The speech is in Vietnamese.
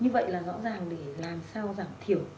như vậy là rõ ràng để làm sao giảm thiểu